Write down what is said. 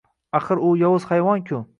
Axir u yovuz hayvon-ku.